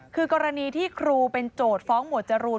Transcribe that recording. คือกรณีที่ครูเป็นโจทย์ฟ้องหมวดจรูน